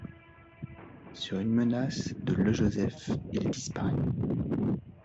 Sur une menace de Le Joseph, il disparaît.